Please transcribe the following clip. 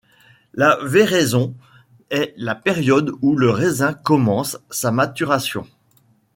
La véraison est la période ou le raisin commence sa maturation.